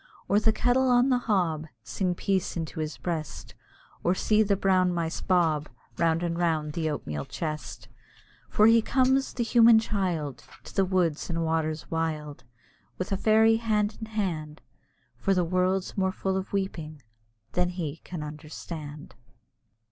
Or the kettle on the hob Sing peace into his breast; Or see the brown mice bob Round and round the oatmeal chest. For he comes, the human child, To the woods and waters wild, With a fairy hand in hand, For the world's more full of weeping than he can understand.